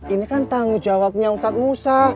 ini kan tanggung jawabnya ustadz musa